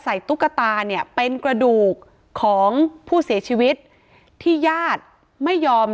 ตุ๊กตาเนี่ยเป็นกระดูกของผู้เสียชีวิตที่ญาติไม่ยอม